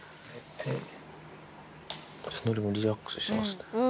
のりもリラックスしてますね。